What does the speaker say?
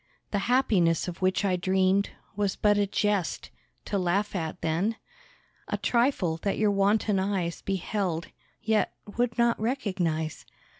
The happiness of which I dreamed Was but a jest, to laugh at then? A trifle, that your wanton eyes Beheld, yet would not recognise.